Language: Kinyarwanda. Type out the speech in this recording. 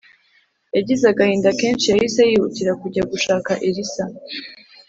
yagize agahinda kenshi Yahise yihutira kujya gushaka Elisa